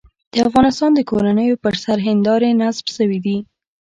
د افغانستان د کورونو پر سر هندارې نصب شوې دي.